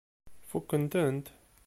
Fukkent-tent?